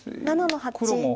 黒７の八。